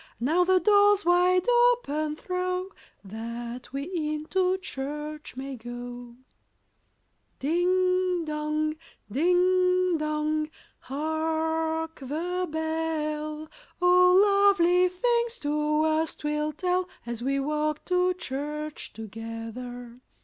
Now the doors wide open throw, That we into church may go. Chorus. Ding dong! ding dong! hark, the bell! Oh, lovely things to us 'twill tell, As we walk to church together.